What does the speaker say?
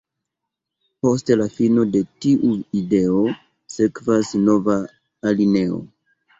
Post la fino de tiu ideo, sekvas nova alineo.